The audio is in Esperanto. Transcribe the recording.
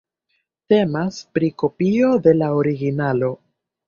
Temas pri kopio de la originalo.